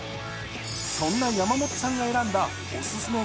そんな山本さんが選んだオススメ